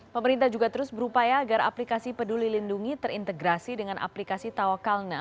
pemerintah juga terus berupaya agar aplikasi peduli lindungi terintegrasi dengan aplikasi tawakalna